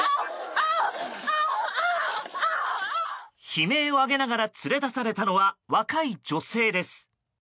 悲鳴を上げながら連れ出されたのは若い女性です。